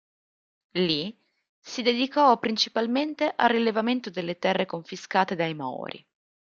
Lì, si dedicò principalmente al rilevamento delle terre confiscate dai Maori.